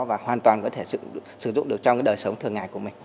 và hoàn toàn có thể sử dụng được trong đời sống thường ngày của mình